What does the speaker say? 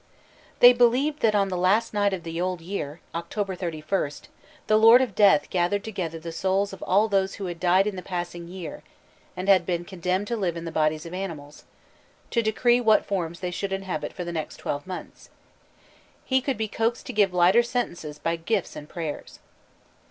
_ They believed that on the last night of the old year (October 31st) the lord of death gathered together the souls of all those who had died in the passing year and had been condemned to live in the bodies of animals, to decree what forms they should inhabit for the next twelve months. He could be coaxed to give lighter sentences by gifts and prayers.